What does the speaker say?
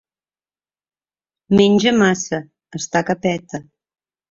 Menja massa; està que peta.